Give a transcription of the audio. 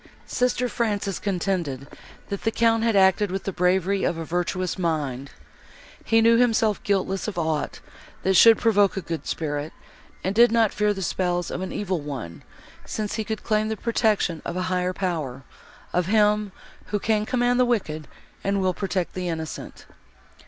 Sister Frances contended, that the Count had acted with the bravery of a virtuous mind. He knew himself guiltless of aught, that should provoke a good spirit, and did not fear the spells of an evil one, since he could claim the protection of a higher Power, of Him, who can command the wicked, and will protect the innocent.